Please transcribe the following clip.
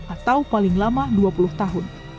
atau paling lama dua puluh tahun